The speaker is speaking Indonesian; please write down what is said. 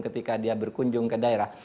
ketika dia berkunjung ke daerah